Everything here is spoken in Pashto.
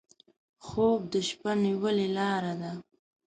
خوب د شپه نیولې لاره ده